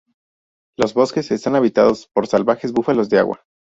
Los bosques están habitados por salvajes búfalos de agua.